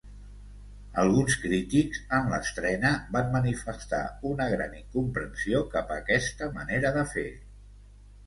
Alguns crítics, en l'estrena, van manifestar una gran incomprensió cap aquesta manera de fer.